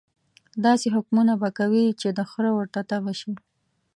داسې حکمونه به کوي چې د خره ورته تبه شي.